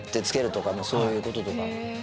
つけるとかそういうこととか。